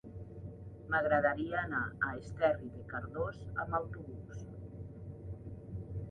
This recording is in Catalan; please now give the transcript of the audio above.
M'agradaria anar a Esterri de Cardós amb autobús.